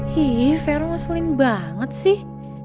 hih verong maksulin banget sih